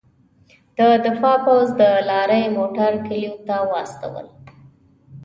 د دفاع پوځ د لارۍ موټر کلیو ته واستول.